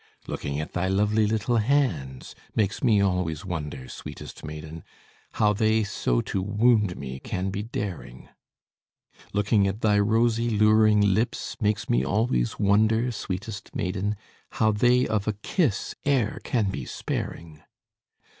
Looking at thy lovely little hands Makes me always wonder, sweetest maiden, How they so to wound me can be daring! Looking at thy rosy luring lips Makes me always wonder, sweetest maiden, How they of a kiss e'er can be sparing!